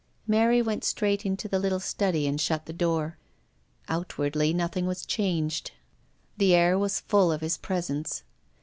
Mary went straight into the little study and shut the door. Outwardly nothing was changed. The air was full of his presence.